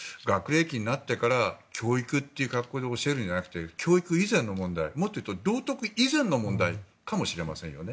だから教育という格好で教えるんじゃなくて教育以前の問題、もっと言うと道徳以前の問題かもしれませんよね。